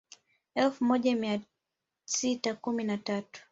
Elfu moja mia sita kumi na tatu